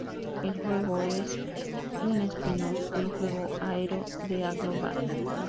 El juego es un spin-off del juego Aero the Acro-Bat.